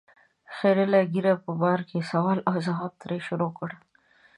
د خرییلې ږیرې په باره کې سوال او ځواب ترې شروع کړ.